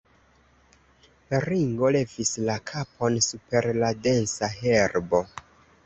Ringo levis la kapon super la densa herbo.